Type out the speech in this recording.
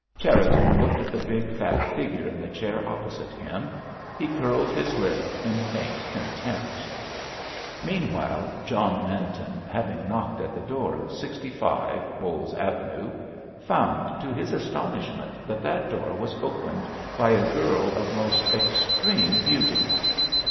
Cherriton looked at the big, fat figure in the chair opposite him. He curled his lip in faint contempt. Meanwhile John Manton, having knocked at the door of 65, Bowles Avenue, found, to his astonishment, that that door was opened by a girl of most extreme beauty.